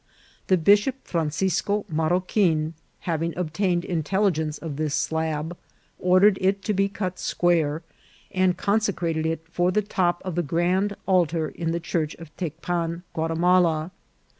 The Bishop Francisco Marroquin having obtained intelligence of this slab, ordered it to be cut square, and consecrated it for the top of the grand altar in the Church of Tecpan Guati mala.